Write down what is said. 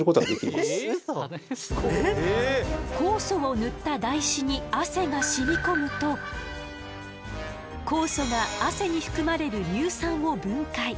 酵素を塗った台紙に汗が染み込むと酵素が汗に含まれる乳酸を分解。